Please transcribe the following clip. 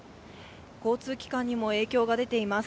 交通機関にも影響が出ています。